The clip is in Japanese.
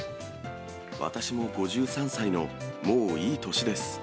私も５３歳の、もういい年です。